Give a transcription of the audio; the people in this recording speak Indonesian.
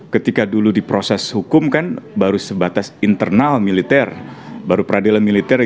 ketika dulu di proses hukum kan baru sebatas internal militer baru peradilan militer